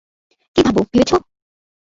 কী ভাববো ভেবেছো?